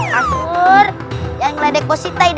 kasur jangan ngeledek positai